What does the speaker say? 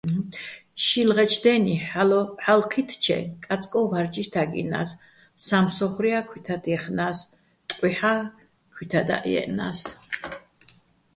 შილღეჩო̆ დე́ნი, ჰ̦ალო̆ ჴი́თთჩე, კაწკოჼ ვა́რჯიშ თაგჲინა́ს, სამსო́ხრია́ ქუჲთად ჲეხნა́ს, ტყუჲჰ̦ა́ ქუჲთადაჸ ჲე́ჸნა́ს.